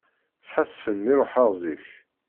Sḥassfen mi ruḥeɣ zik.